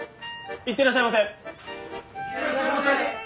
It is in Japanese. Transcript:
行ってらっしゃいませ！